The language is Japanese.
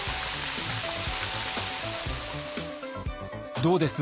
どうです？